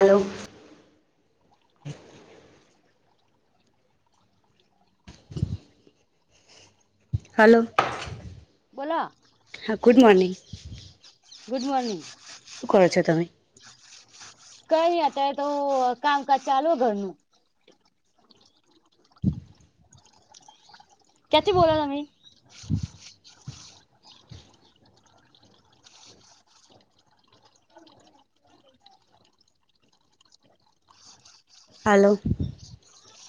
Hello hello બોલો હા good morning good morning શું કરો છો તમે? કઈ નઈ અત્યારે તો હું કામકાજ ચાલુ હે ઘરનું ક્યાથી બોલો તમે? હાલો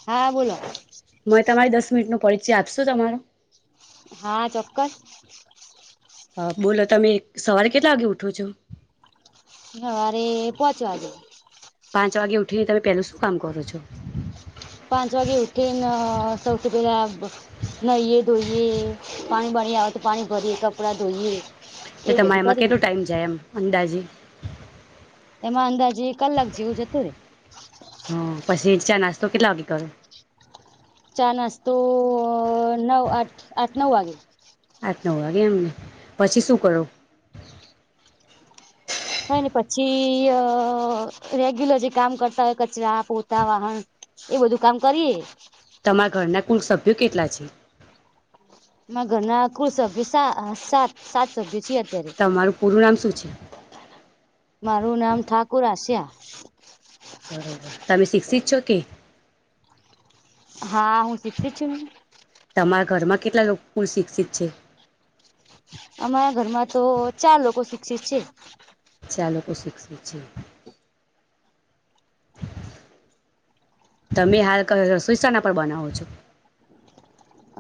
હા બોલો મને તમારી દસ મિનિટનો પરિચય આપસો તમારો હા ચોક્કસ હા બોલો તમે સવારે કેટલા વાગે ઉઠો છો? સવારે પાંચ વાગે પાંચ વાગે ઉઠી તમે પેલું શું કામ કરો છો. પાંચ વાગે ઉઠીને સૌથી પેલા નહીએ ધોઈએ પાણી બારી આવે તો પાણી ભરીએ કપડાં ધોઈએ. એ બધું તમારે એમાં કરીએ કેટલો ટાઈમ જાય એમ અંદાજે એમાં અંદાજે કલાક જેવું જતુંરે હમ્મ પછી ચા નાસ્તો કેટલા વાગે કરો ચા નાસ્તો નવ આઠ આઠ નવ વાગે આઠ નવ વાગે એમને પછી શું કરો કઈ નહીં પછી રેગ્યુલર જે કામ કરતા હોય કચરા પોતા વાહણ એ બધું કામ કરીએે તમારા ઘરના કુલ સભ્યો કેટલા છે. મારા ઘરના કુલ સભ્યો સા સાત સાત સભ્યો છીએ અત્યારે. તમારું પૂરું નામ શું છે? મારું નામ ઠાકુર આશિયા બરોબર તમે શિક્ષિત છો કે હા હું શિક્ષિત છું ને તમારા ઘરમાં કેટલા લોકો કુલ શિક્ષિત છે. અમારા ઘરમાં તો ચાર લોકો શિક્ષિત છે. ચાર લોકો શિક્ષિત છે તમે હાલ કે રસોઈ શેના પર બનાવો છો?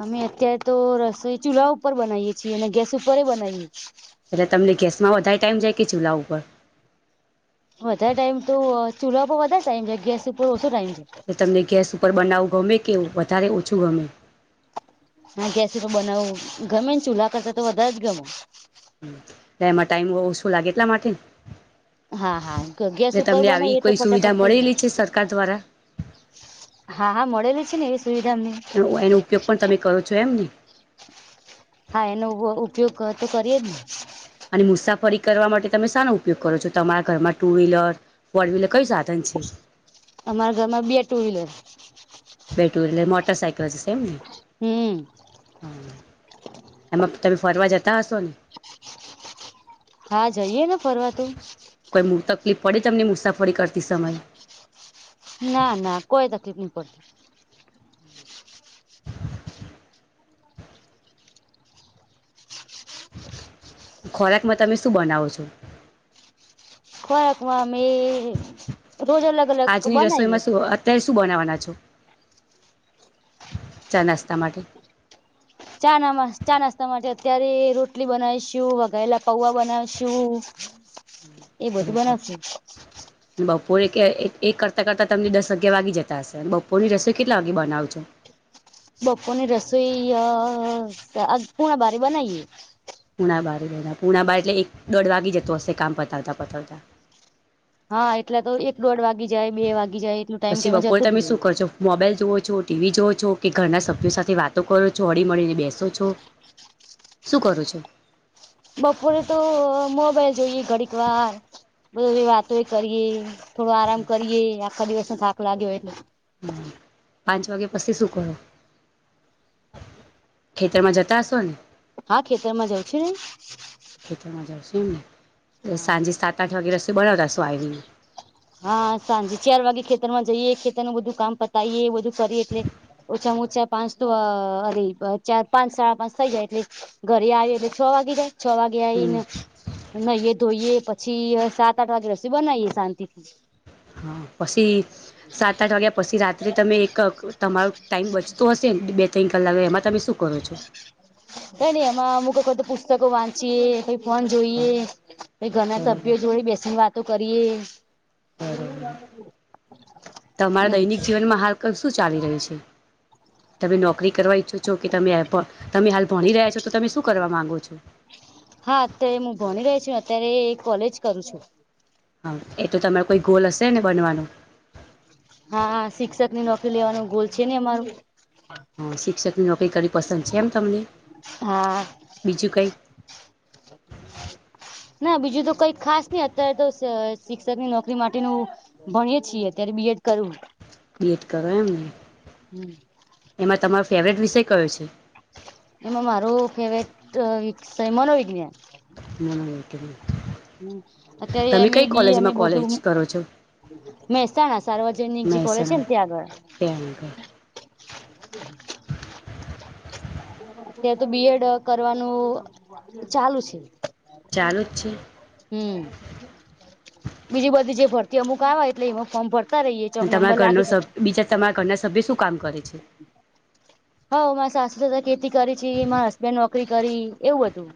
અમે અત્યારે તો રસોઈ ચૂલ્લા ઉપર બનાવીએ છીએ અને ગેસ ઉપર બનાવીએ છીએ. એટલે તમને ગેસમાં વધારે ટાઈમ જાય કે ચૂલા ઉપર વધારે ટાઈમ તો ચુલા પર વધારે ટાઈમ જોય, ગેસ ઉપર ઓછો ટાઈમ જોય. એ તમને ગેસ ઉપર બનાવું ગમે કે વધારે ઓછું ગમે ના ગેસ ઉપર બનાવવું ગમે ને ચૂલા કરતા તો વધારે જ ગમે એમાં ટાઈમ ઓછો લાગે એટલા માટે હા હા ગેસ ઉપર તમને આવી બનાવીએ તો કોઈ ફટાફટ સુવિધા થઈ જાય મળેલી છે સરકાર દ્વારા? હા, હા મળેલી છે ને એવી સુવિધા અમને એનો ઉપયોગ પણ તમે કરો છો એમને હા, એનો ઉપયોગ તો કરીયે જ ને અને મુસાફરી કરવા માટે તમે શાનું ઉપયોગ કરો છો તમારા ઘરમાં ટુ વ્હીલર ફોરવીલર કયું સાધન છે. અમારા ઘરમાં બી ટુ વ્હીલર બે ટું વહીલર એટલે મોટર સાયકલ છે એમ ને હમ એમાં તમે ફરવા જતા હશો ને હા જઈએ ને ફરવા તો કોઈ તકલીફ પડે તમને મુસાફરી કરતી સમયે ના ના કોઈ તકલીફ નહી પડતી ખોરાકમાં તમે શું બનાવો છો ખોરાકમાં મે રોજ અલગ અલગ આજની રસોઈમાં બનાવીએ શું અત્યારે શું બનાવવાના છો ચા નાસ્તા માટે ચા ના ચા નાસ્તા માટે અત્યારે રોટલી બનાવીશું વગાયેલા પૌવા બનાવીશું એ બધું બનાવશું સરસ બપોરે એક એક કરતાં કરતાં તમને દસ અગિયાર વાગી જતા હશે બપોરની રસોઈ કેટલા વાગે બનાવો છો બપોર ની રસોઈ આ પોણા બારએ બનાવીએ પૂણા બાર પૂણા બાર એટલે એક દોઢ વાગી જતો હશે કામ પતાવતા પતાવતા? હા એટલે તો એક દોઢ વાગી જાય બે વાગી જાય એટલું ટાઈમ તો પછી એમાં બપોરે જતો જ તમે રહે શું કર છો? મોબાઈલ જોવો છો ટીવી જોવો છો કે ઘરના સભ્યો સાથે વાતો કરો છો હળી મળીને બેસો છો શું કરું છું? બપોરે તો મોબાઈલ જોઈએ ઘડીક વાર, બધી વાતો કરીએ થોડો આરામ કરીએ આખા દિવસ નો થાક લાગ્યો હોય એટલે, હા પાંચ વાગ્યા પછી શું કરો [inaudible] [inaudible] [inaudible] ખેતર માં જતા હશો ને? હા ખેતરમાં જવ છે ને ખેતરમાં જાશું અને હા સાંજે સાત આઠ વાગે રસોઈ બનાવતા હસો આવીને હા સાંજે ચાર વાગે ખેતર માં જઈએ ખેતર નું બધું કામ પતાવીએ એ બધું કરીએ એટલે, ઓછામાં ઓછા પાંચ તો અરે ચાર પાંચ સાડા પાંચ થઇ જાય એટલે, ઘરે આવી એ તો છ વાગી જાય, છ વાગે હમ આવીને નાહીએ ધોઈએ પછી સાત આઠ વાગે રસોઈ બનાવીએ શાંતિથી [inaudible] [inaudible] [inaudible] હા પછી સાત આઠ વાગ્યા પછી રાત્રે તમે એક, તમારો ટાઈમ બચતો હશેને બે ત્રણ કલાક એમાં તમે શું કરો છો? કઈ ની એમાં અમૂક [unintelligible] પુસ્તકો વાંચીયે [unintelligible] ફોન હા જોઈએ ઘરના બરોબર સભ્યો જોડે બેસીને વાતો કરીએ, બરોબર તમારા એવું દૈનિક જીવનમાં હાલ શું ચાલી રહયુ છે તમે નોકરી કરવા ઈચ્છો છો કે તમે તમે હાલ ભણી રહ્યાછો? તો તમે શું કરવા માંગો છો? હા અત્યારે હું ભણી રહી છું અત્યારે કોલેજ કરું છું. હા એ તો તમારે કોઈ ગોલ હશે ને બનવાનો? હા શિક્ષક ની નોકરી લેવાનો ગોલ છે ને અમારો, હા શિક્ષકની નોકરી કરવી પસંદ છે એમ તમને હા બીજું કંઈક? [inaudible] [inaudible] [unintelligible] [inaudible] ના બીજું તો કંઈ ખાસ નહિ અત્યારે તો શિક્ષક ની નોકરી માટેનું, ભણીએ છીએ અત્યારે બીએડ કરુ [unintelligible] બીએડ કરયુ ને? હમ, [inaudible] [inaudible] એમાં તમારો ફેવરેટ વિષય કયો છે? એમાં મારો ફેવરેટ વિષય મનોવિજ્ઞાન, હમ અત્યારે તમે અમે કઈ બીએ અને કોલેજમાં બધું, કોલેજ કરો છો મહેસાણા સાર્વજનિક જે કોલેજ છે ને ત્યાં આગળ, તે [inaudible] [inaudible] [inaudible] [inaudible] ત્યાં તો બી એડ કરવાનું ચાલુ છે. ચાલુ જ છે. હમ બીજી બધી જે ભરતી અમુક આવે એટલે એમાં ફોર્મ ભરીયે, ઊભા રહીએ જોબ અને નંબર તમારા ઘરનો લાગી જાય તો સભ બીજા તમારા ઘરના સભ્ય શું કામ કરે છે? હમ મારા સાસુ તો ખેતી કરી છે મારા હસબેન્ડ નોકરી કરી એવું હતું,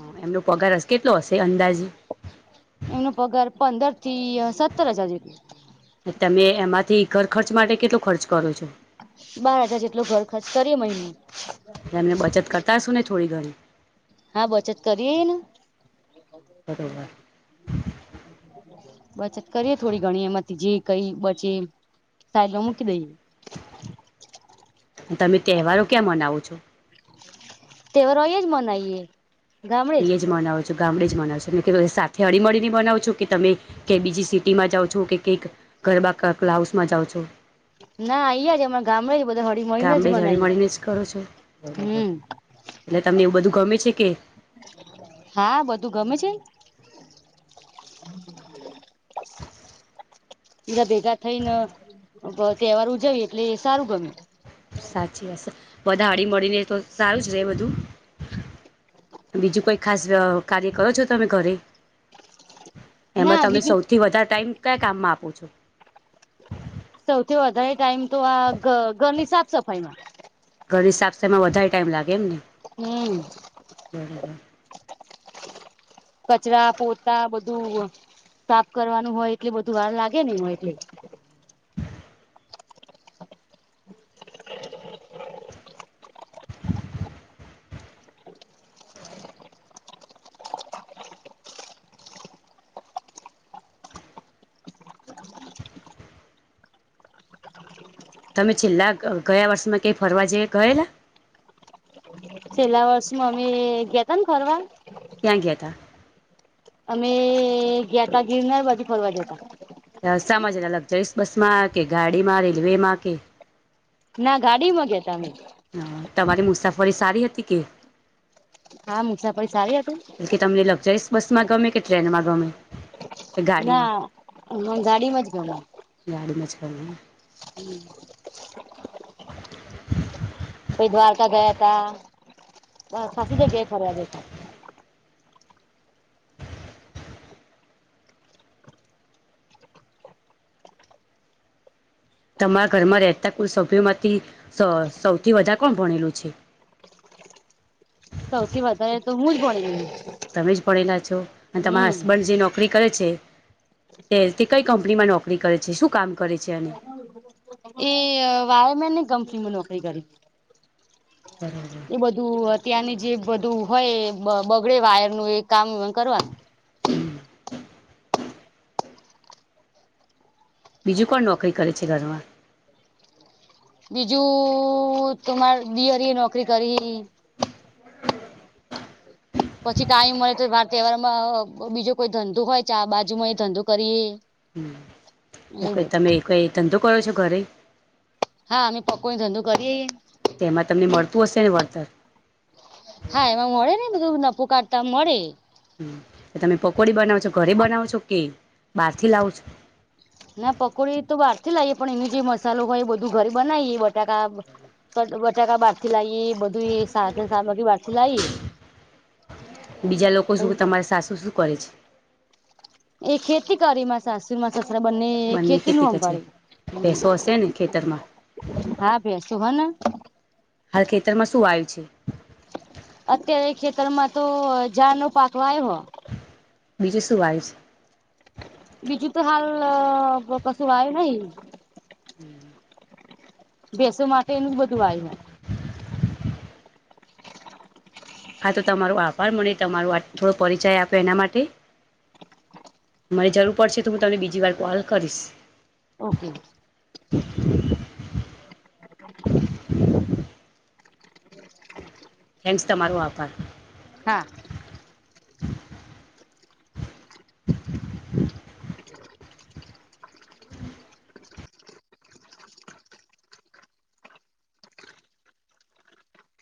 હમ એમનો પગાર કેટલો હશે અંદાજે? એમનો પગાર પંદર થી સત્તર હજાર જેટલો તમે એમાંથી ઘર ખર્ચ માટે કેટલો ખર્ચ કરો છો? બાર હજાર જેટલો ઘર ખર્ચ કરીએ મહિને, એમને બચત કરતા હશું ને થોડી ઘણી. હા બચત કરીએને. [inaudible] બચત કરીએ થોડી ઘણી એમાંથી જે કઈ બચે સાઈડમાં મૂકી દઈએ તમે તહેવારો ક્યાં મનાવો છો તેવરો જ મનાઈએ ત જ મનાવો છો ગામડે જ મનાવ છો સાથે હળી મળી ને બનાવો છો કે તમે કે બીજી સીટ ટીમાં જાઓ છો કે કંઈક ઘરબા ક ક્લાાઉસમાં જાઓ છો ના અહીંયા જ હમણાં ગામડાે જ બધા હળમીને જ ગામડે મને હળીમળીને જ કરો છો બરોબર હમ એટલે તમને એવું બધું ગમે છે કે હા બધું ગમે છે [inaudible] બીધા ભેગા થઈને તહેવાર ઉજાવ એટલે સારું ગમે સાચી વાત બધા હળ મળીને તો સારું જ રહેે બધું બીજું કોઈ ખાસ કાર્ય કરો છો તમે ઘરે એમાં ના તમે બીજું સૌથી વધારે ટાઈમ કયા કામમાં આપો છો સૌથી વધારે ટાઈમ તો આ ઘ ઘરની સાફ સફાઈમાં ઘર હિસાબ સામે વધારે ટાઈમ લાગે એમ ને હમમ [inaudible] કચરા પોતા બધું સાફ કરવાનું હોય એટલે બધું વાર લાગે નહ હો એટલે તમે છેલ્લા ગયા વર્ષમાં કઈ ફરવા જેઈએ કહેલા છેલ્લા વર્ષમાં અમે ગયાતા ને ખરવા ક્યાં ઘતા અમે ગયાતા ઘીરનાર બાજુ ફરવા જતા હતા રસ્તામાં છે લક્ઝરીસ બસ માં કે ગાડી માં રેલવે માં કે ના ગાડીમાં ગતામે હ તમારી મુસાફરી સારી હતી કે હા મુસા પૈસ આવી હતું એટલે કે તમને લગ જઈસ બસ માં ગમે કે ટ્રેનમાં ગમે કે ગાડીમાં ના હ ગાડીમાં જ ગણ ગાડી મછા હમ [inaudible] કો દ્વારકા ગયા તા બ ખાસી જ ગ થ્યા ગે છે તમારા ઘરમાં રહેતા કુલ સભ્યો માંથી સૌથી વધારે કોણ ભણેલું છે સૌથી વધારે તો હું જ ભણી ગું તમે જ પડેલા છો અને તમારા હસબન્ડ જે નોકરી કરે છે તે તે કઈ કંપનીમાં નોકરી કરે છે શું કામ કરે છે અને એ વાવ મેને કપની માં નોકરી કરી [inaudible] એ બધું અત્યારની જે બધું હોય બગડે વાયરનું એ કામ કરવાનું [inaudible] બીજું કોણ નોકરી કરે છે ઘરમાં બીજું તમારે દીયરીએ નોકરી કરી પછી તાઈમ મળે તો વાર તહેવારમાં બીજો કોઈ ધંધો હોય ચા બાજુમાં એ ધંધો કરીએ હમ એવું બધું તમે કોઈ ધંધો કરો છો ઘરે હા અમે પકો ને ધંધો કરીએએ તેમાં તમને મળતું હશે ને વળતર હા એમાં મળે ને બધું નફું કાઢતા મળે તમે પકોડી બનાવો છો ઘરે બનાવો છો કે બહારથી લાવો છો ના પકોડી તો બહાર થી લાવએ પણ એનું જે મસાલો હોય એ બધું ઘરે બનાવીએ બટાકા. બટાકા બારતી લાઈ બધું સા સામગ્રી બારતી લાયી. બીજા લોકો શું કે તમારી સાસુ શું કરે છે. એ ખેતી કરીમાં સાસુ માં સસરા બંને ખેતી નું હમ્ભાડે ભેસો હશે ને ખેતરમાં હા ભૈસું હ ને. હાલ ખેતરમાં શું વાયું છે. અત્યારે ખેતરમાં તો જાર નો પાક વાયો હ. બીજુ શું વાયુ છે. બીજું તો હાલ કશું વાયું નહી. [inaudible] ભેંસો માટે એનું જ બધું વાયુ હ. હા તો તમારો આભાર મને તમારો આટ થોડો પરિચય આપ્યો એના માટે. મને જરૂર પડશે તો હું તમને બીજી વાર કોલ કરીશ. ઓકે. [inaudible] થેન્ક્સ તમારો આભાર. હા. [inaudible] હ [inaudible]